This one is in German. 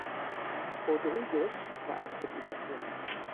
Rodrigues verachtet ihn dafür.